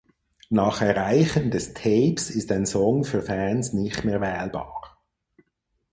Nach Erreichen des Tapes ist ein Song für Fans nicht mehr wählbar.